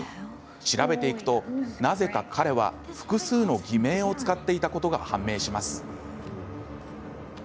調べていくと、なぜか彼は複数の偽名を使っていたことが判明します。